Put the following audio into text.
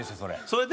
それ。